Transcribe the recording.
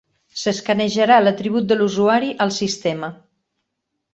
S'escanejarà l'atribut de l'usuari al sistema.